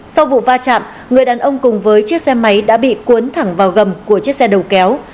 sau vụ va chạm người đàn ông cùng với chiếc xe máy đã bị cuốn thẳng vào gầm của chiếc xe đầu kéo